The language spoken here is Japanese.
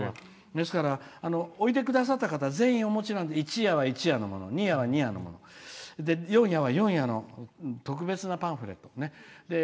ですから、おいでくださった方みんながお持ちなんで、一夜は一夜二夜は二夜、四夜は四夜の特別なパンフレットで。